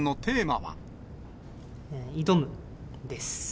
挑む！です。